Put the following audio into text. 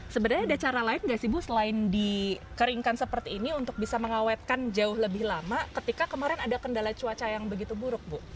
sebenarnya ada cara lain nggak sih bu selain dikeringkan seperti ini untuk bisa mengawetkan jauh lebih lama ketika kemarin ada kendala cuaca yang begitu buruk bu